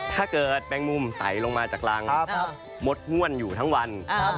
ถ้าเกิดแปลงมุมไถลลงมาจากรังหมดม่วนอยู่ทั้งวัน